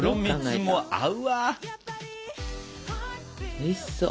おいしそう。